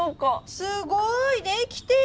すごい！できてる！